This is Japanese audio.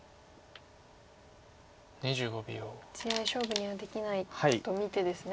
地合い勝負にはできないと見てですね。